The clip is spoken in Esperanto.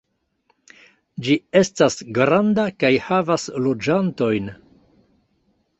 Ĝi estas granda kaj havas loĝantojn.